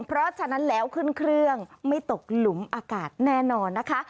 เพราะฉะนั้นแล้วขึ้นเครื่องไม่ตกหลุมอากาศแน่นอนนะคะ